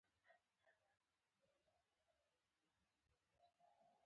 یوه شېبه مو غرمنۍ خوب وکړ.